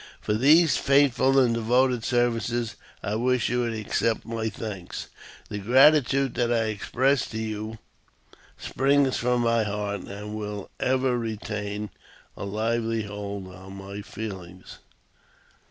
Por these faithful and devoted services I wish you to accept my thanks ; the gratitude that I express to you springs from my heart, and will ever retain a lively hold on my feelings.